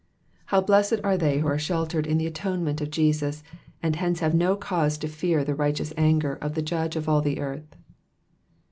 How blest are they who are sheltered in the atonement of Jesus, and hence have no cause to fear the righteous anger of the Judge of all the earth.